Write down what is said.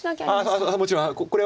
ああもちろんこれは。